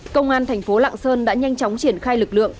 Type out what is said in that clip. công an thành phố lạng sơn đã nhanh chóng triển khai lực lượng